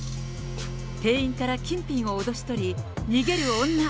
店員から金品を差し出し、逃げる女。